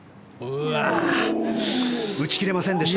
打ち切れませんでした。